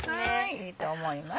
いいと思います。